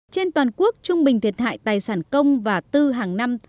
trên toàn quốc trung bình thiệt hại tài sản công và tư hàng năm